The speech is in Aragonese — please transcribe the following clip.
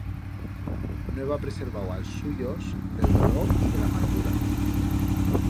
No heba preservau a'ls suyos d'el dolor y de l'amargura.